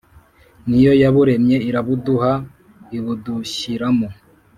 ni yo yaburemyeirabuduha, ibudushyiramo